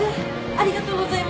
ありがとうございます。